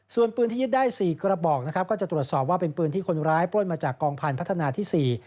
ส่วนปืนที่ยึดได้๔กระบอกนะครับก็จะตรวจสอบว่าเป็นปืนที่คนร้ายปล้นมาจากกองพันธ์พัฒนาที่๔